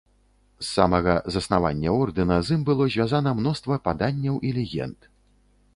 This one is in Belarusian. З самага заснавання ордэна, з ім было звязана мноства паданняў і легенд.